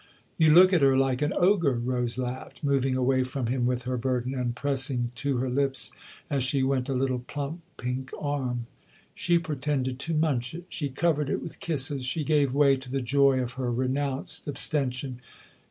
" You look at her like an ogre !" Rose laughed, moving away from him with her burden and press ing to her lips as she went a little plump pink arm. She pretended to munch it; she covered it with kisses ; she gave way to the joy of her renounced abstention.